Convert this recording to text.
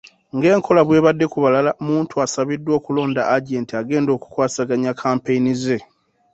Ng'enkola bw'ebadde ku balala, Muntu asabiddwa okulonda agenti agenda okukwasaganya kkampeyini ze